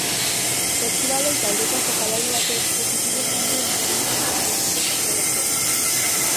Saskibaloi taldeko jokalari batek positibo eman du ostegun goizean egindako kontrol batean.